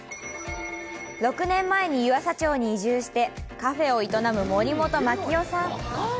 ６年前に湯浅町に移住してカフェを営む、森本マキヨさん。